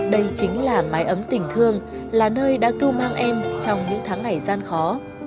đây chính là mái ấm tình thương là nơi đã cưu mang em trong những tháng ngày gian khó